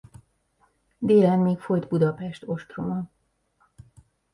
Délen még folyt Budapest ostroma.